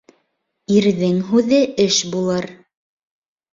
Ирҙең һүҙе эш булыр.